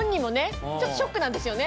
ちょっとショックなんですよね。